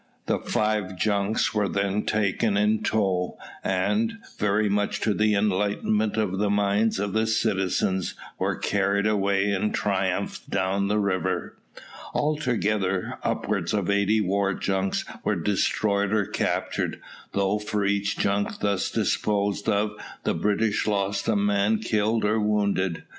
The five junks were then taken in tow, and, very much to the enlightenment of the minds of the citizens, were carried away in triumph down the river. Altogether, upwards of eighty war junks were destroyed or captured, though for each junk thus disposed of the British lost a man killed or wounded.